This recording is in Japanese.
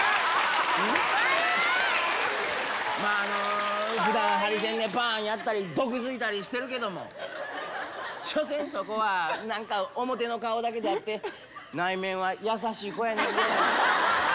まあ、ふだん、ハリセンでバーンやったり、毒づいたりしてるけれども、所詮、そこは表の顔だけであって、内面は優しい子やねんね。